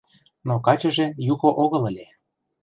Но качыже Юхо огыл ыле.